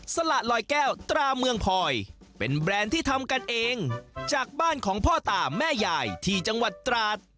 สละลอยแก้วตราเมืองพลอยเป็นแบรนด์ที่ทำกันเองจากบ้านของพ่อตาแม่ยายที่จังหวัดตราด